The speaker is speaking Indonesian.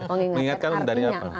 mengingatkan dari apa